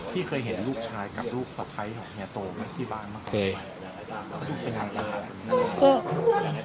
ที่เคยเห็นลูกชายกับลูกสะพ้ายของเฮียโตมาที่บ้านเมื่อคืน